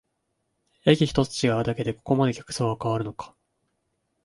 駅ひとつ違うだけでここまで客層が変わるのか